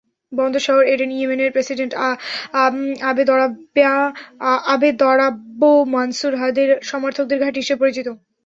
বন্দর শহর এডেন ইয়েমেনের প্রেসিডেন্ট আবেদরাব্বো মানসুর হাদির সমর্থকদের ঘাঁটি হিসেবে পরিচিত।